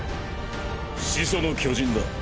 「始祖の巨人」だ。